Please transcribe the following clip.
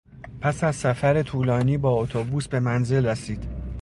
پس از سفر طولانی با اتوبوس به منزل رسید.